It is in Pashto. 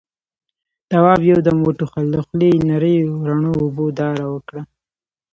تواب يو دم وټوخل، له خولې يې نريو رڼو اوبو داره وکړه.